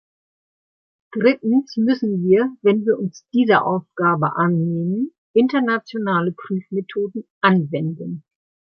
Drittens müssen wir, wenn wir uns dieser Aufgabe annehmen, internationale Prüfmethoden anwenden.